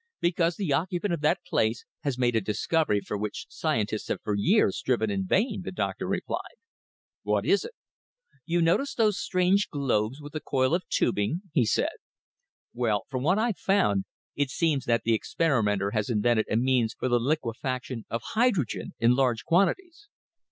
"Because the occupant of that place has made a discovery for which scientists have for years striven in vain," the doctor replied. "What is it?" "You noticed those strange globes with the coil of tubing," he said. "Well, from what I've found, it seems that the experimenter has invented a means for the liquefaction of hydrogen in large quantities."